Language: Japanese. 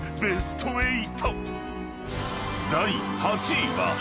［第８位は］